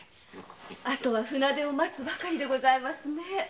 後は船出を待つばかりでございますね。